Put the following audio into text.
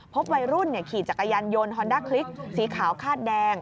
พบวัยรุ่นขี่จักรยานยนต์ฮอนด้าคลิกสีขาวคาดแดง